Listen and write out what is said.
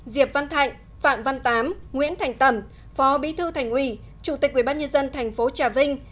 diệp văn thạnh phạm văn tám nguyễn thành tẩm phó bí thư thành ủy chủ tịch quy bát nhân dân thành phố trà vinh